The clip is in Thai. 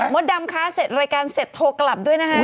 ดำคะเสร็จรายการเสร็จโทรกลับด้วยนะคะ